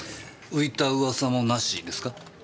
浮いた噂もなしですか？